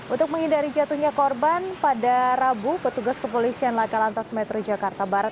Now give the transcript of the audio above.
untuk menghindari jatuhnya korban pada rabu petugas kepolisian laka lantas metro jakarta barat